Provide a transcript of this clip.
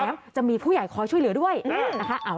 แล้วจะมีผู้ใหญ่คอยช่วยเหลือด้วยนะคะ